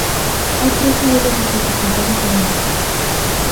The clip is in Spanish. Hay tres niveles de dificultad diferentes.